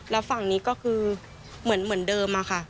แล้วฝั่งนี้ก็คือเหมือนเดิมอะค่ะ